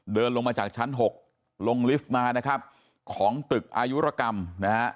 เดินลงมาจากชั้น๖ลงลิฟต์มานะครับของตึกอายุรกรรมนะฮะ